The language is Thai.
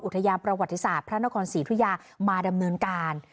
ทยาประวัติศาสตร์พระนครศรีธุยามาดำเนินการ